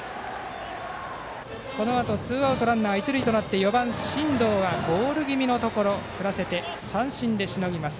このあとツーアウトランナー、一塁となって４番、真藤が打席に入りますがボール気味のところを振らせて三振でしのぎます。